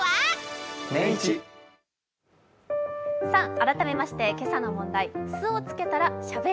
改めまして今朝の問題。